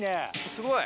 すごい。